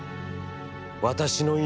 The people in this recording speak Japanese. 私の命